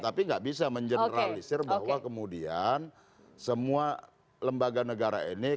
tapi nggak bisa mengeneralisir bahwa kemudian semua lembaga negara ini